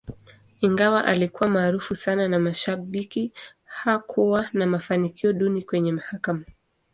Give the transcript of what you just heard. Ingawa alikuwa maarufu sana na mashabiki, hakuwa na mafanikio duni kwenye mahakama.